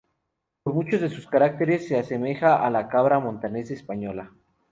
Por muchos de sus caracteres se asemeja a la cabra montes española.